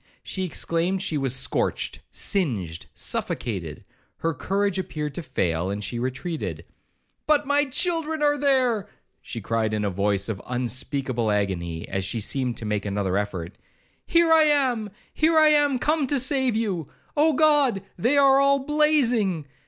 She exclaimed she was scorched, singed, suffocated; her courage appeared to fail, and she retreated. 'But my children are there!' she cried in a voice of unspeakable agony, as she seemed to make another effort; 'here I am—here I am come to save you.—Oh God! They are all blazing!